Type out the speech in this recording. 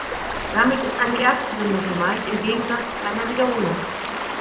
Damit ist eine erste Sendung gemeint, im Gegensatz zu einer Wiederholung.